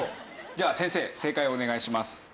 じゃあ先生正解をお願いします。